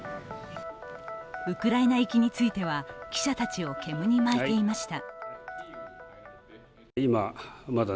ウクライナ行きについては記者たちを煙に巻いていました。